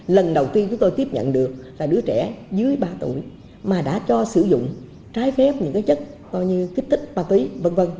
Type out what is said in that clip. lần đầu tiên chúng tôi tiếp nhận được là đứa trẻ dưới ba tuổi mà đã cho sử dụng trái phép những chất như kích thích ma túy v v